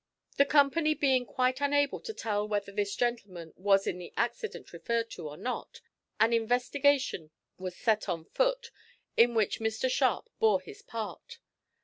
The company being quite unable to tell whether this gentleman was in the accident referred to or not, an investigation was set on foot, in which Mr Sharp bore his part.